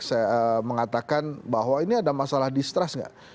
saya mengatakan bahwa ini ada masalah distrust nggak